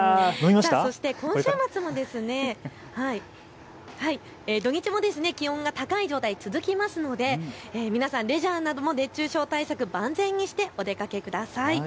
そして今週末、土日も気温が高い状態が続きますので皆さん、レジャーなども熱中症対策、万全にしてお出かけください。